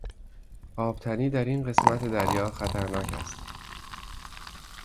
آبتنی در این قسمت دریا خطرناک است.